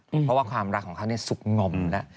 เพราะว่าความรักของเขาสุขงมแล้ว